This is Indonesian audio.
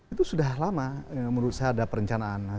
itu sudah lama menurut saya ada perencanaan